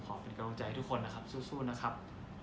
ขอบคุณกระบวนใจให้ทุกคนนะครับสู้นะครับ